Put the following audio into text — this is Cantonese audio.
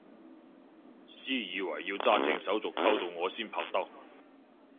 私以為要揸正手續溝到我先拍得